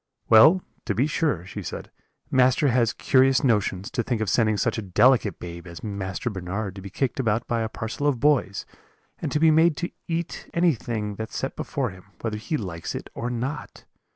"'Well, to be sure,' she said, 'master has curious notions, to think of sending such a delicate babe as Master Bernard to be kicked about by a parcel of boys, and to be made to eat anything that's set before him, whether he likes it or not.